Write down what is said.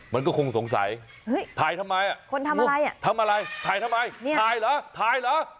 มันก็คงสงสัยถ่ายทำไมอ่ะคนทำอะไรอ่ะทำอะไรถ่ายทำไมถ่ายเหรอถ่ายเหรอ